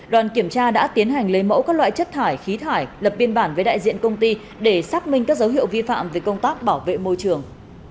đoàn kiểm tra đã tiến hành lấy mẫu các loại chất thải khí thải lập biên bản với đại diện công ty để xác minh các dấu hiệu vi phạm về công tác bảo vệ môi trường